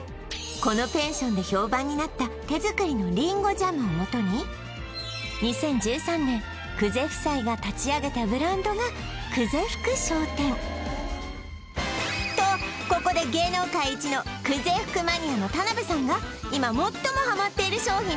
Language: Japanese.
このペンションで評判になった手作りのりんごジャムを元に２０１３年久世夫妻が立ち上げたブランドが久世福商店とここで芸能界イチの久世福マニアの田辺さんが今最もハマっている商品